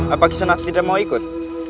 apa kisanak tidak mau ikut